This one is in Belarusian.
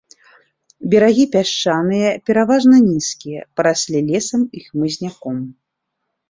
Берагі пясчаныя, пераважна нізкія, параслі лесам і хмызняком.